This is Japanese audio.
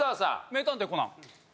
『名探偵コナン』。